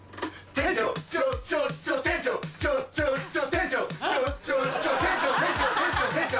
店長店長店長店長